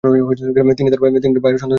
তিনি তার ভাইয়ের সন্তানদের খুব ভালবাসতেন।